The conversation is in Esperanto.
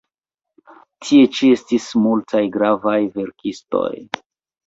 Tie ĉi estis multaj gravaj verkistoj.